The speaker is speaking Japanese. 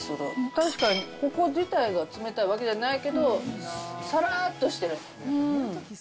確かにここ自体が冷たいわけじゃないけど、さらっとしてる。